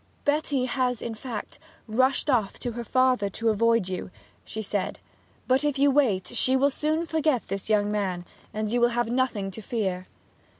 'Betty has, in fact, rushed off to her father to avoid you,' she said. 'But if you wait she will soon forget this young man, and you will have nothing to fear.'